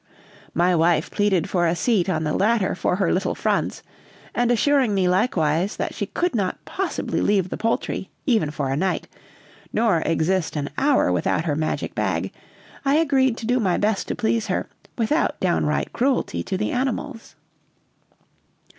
My wife pleaded for a seat on the latter for her little Franz, and assuring me likewise that she could not possibly leave the poultry, even for a night, nor exist an hour without her magic bag, I agreed to do my best to please her, without downright cruelty to the animals.